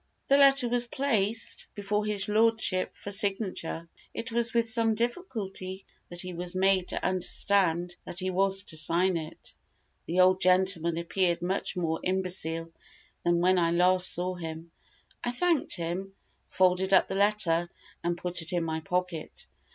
The letter was placed before his lordship for signature. It was with some difficulty that he was made to understand that he was to sign it. The old gentleman appeared much more imbecile than when I last saw him. I thanked him, folded up the letter, and put it in my pocket.